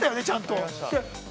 ちゃんと。